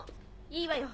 いいわよ